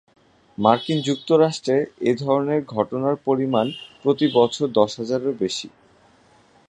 মার্কিন যুক্তরাষ্ট্রে এ ধরনের ঘটনার পরিমাণ প্রতি বছর দশ হাজারেরও বেশি।